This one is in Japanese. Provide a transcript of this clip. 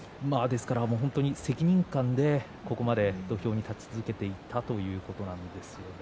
責任感でここまで土俵に立ち続けてきたということなんですね。